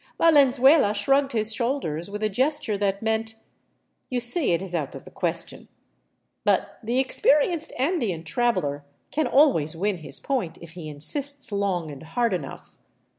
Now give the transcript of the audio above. Valenzuela shrugged his shoulders with a gesture that meant, '' You see it is out of the question." But the experienced Andean traveler can always win his point, if he insists long and hard enough.